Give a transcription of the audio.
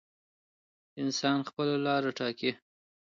انسان خپله لاره ټاکي.